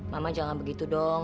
mama jangan begitu dong